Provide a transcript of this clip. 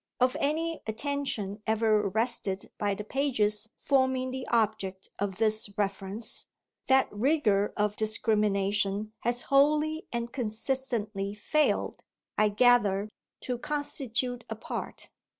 Of any attention ever arrested by the pages forming the object of this reference that rigour of discrimination has wholly and consistently failed, I gather, to constitute a part.